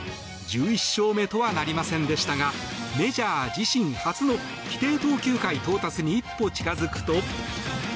１１勝目とはなりませんでしたがメジャー自身初の規定投球回到達に一歩近づくと。